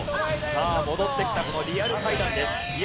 さあ戻ってきたこのリアル階段です。